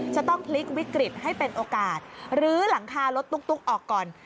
จะต้องพลิกวิกฤตให้เป็นโอกาสลื้อหลังคารถตุ๊กออกก่อน